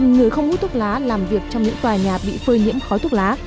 ba mươi sáu tám người không hút thuốc lá làm việc trong những tòa nhà bị phơi nhiễm khói thuốc lá